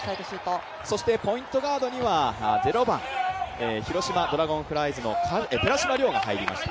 そしてポイントガードには０番、広島ドラゴンフライズの寺嶋良が入りました。